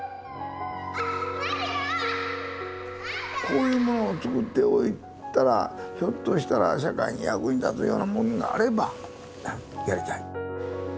こういうものをつくっておいたらひょっとしたら社会に役に立つようなものがあればやりたい。